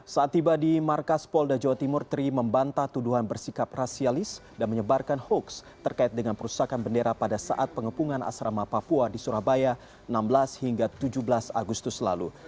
saat tiba di markas polda jawa timur tri membantah tuduhan bersikap rasialis dan menyebarkan hoaks terkait dengan perusahaan bendera pada saat pengepungan asrama papua di surabaya enam belas hingga tujuh belas agustus lalu